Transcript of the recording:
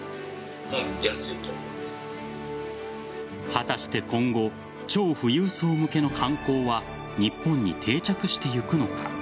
果たして今後、超富裕層向けの観光は日本に定着してゆくのか。